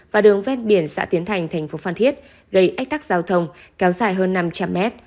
và đường ven biển xã tiến thành thành phố phan thiết gây ách tắc giao thông kéo dài hơn năm trăm linh mét